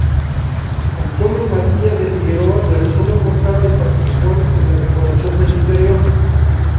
Antonio Matías de Figueroa realizó una portada y participó en la decoración del interior.